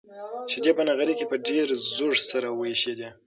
شيدې په نغري کې په ډېر زوږ سره وایشېدې.